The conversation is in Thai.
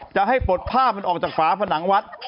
จะให้ปลดผ้ามันออกจากฝาผนังวัด